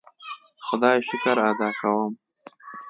خدای شکر ادا کوم.